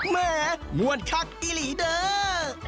แหมมวนคักที่ลีเดอร์